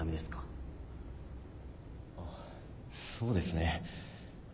あっそうですね。